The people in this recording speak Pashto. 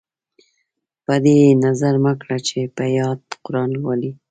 په دې یې نظر مه کړه چې په یاد قران لولي.